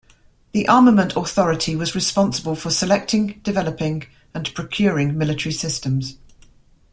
The Armament Authority was responsible for selecting, developing, and procuring military systems.